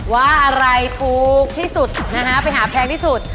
ว่าอะไรถูกที่สุดนะฮะไปหาแพงที่สุด